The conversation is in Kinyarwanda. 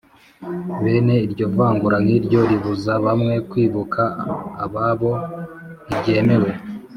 bene iryo vangura nk'iryo ribuza bamwe kwibuka ababo ntiryemewe,